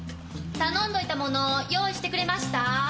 頼んでおいたもの用意してくれました？